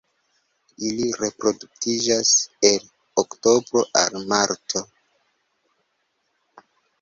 Ili reproduktiĝas el oktobro al marto.